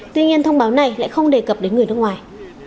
tuy nhiên thông báo này lại không đề cập đến người nước ngoài